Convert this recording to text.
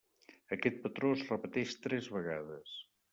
Aquest patró es repeteix tres vegades.